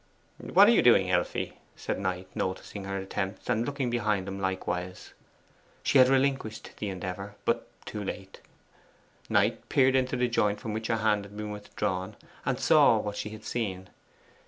'What are you doing, Elfie?' said Knight, noticing her attempts, and looking behind him likewise. She had relinquished the endeavour, but too late. Knight peered into the joint from which her hand had been withdrawn, and saw what she had seen.